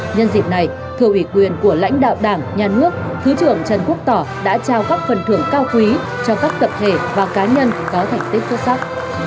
nhân dịp này thưa ủy quyền của lãnh đạo đảng nhà nước thứ trưởng trần quốc tỏ đã trao các phần thưởng cao quý cho các tập thể và cá nhân có thành tích xuất sắc